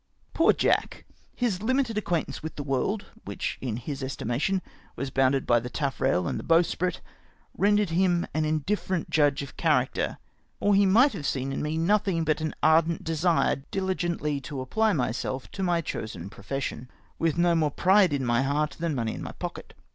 Poor Jack ! his hmited acquaintance with the world — which, in his estimation, was bounded by the tafFrail and the bowsprit — rendered him an indifferent judge of character, or he might have seen in me nothuig but an ardent desu e dihgently to apply myself to my chosen profession — with no more pride in my heart than money in my pocket.